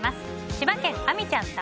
千葉県の方。